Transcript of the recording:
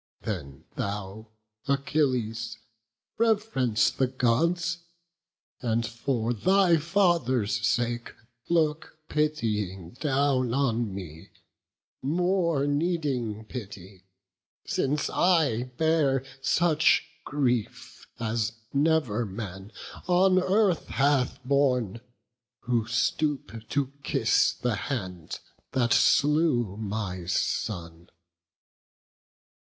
Then thou, Achilles, reverence the Gods; And, for thy father's sake, look pitying down On me, more needing pity; since I bear Such grief as never man on earth hath borne. Who stoop to kiss the hand that slew my son."